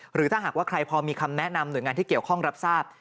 หรือถ้าหากว่าใครพอมีคำแนะนำหน่วยงานที่เกี่ยวข้องรับทราบ